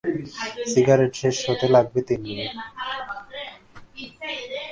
Cigarette শেষ হতে লাগবে তিন মিনিট।